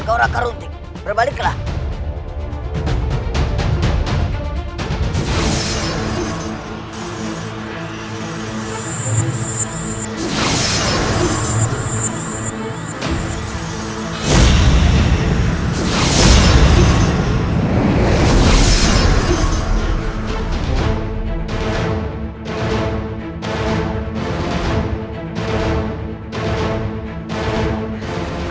kau tak tahu apa yang terjadi baliklah